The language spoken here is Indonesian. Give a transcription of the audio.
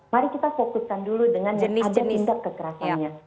mari kita fokuskan dulu dengan ada tindak kekerasannya